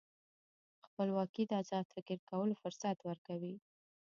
خپلواکي د ازاد فکر کولو فرصت ورکوي.